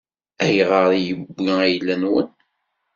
Ayɣer i yewwi ayla-nwen?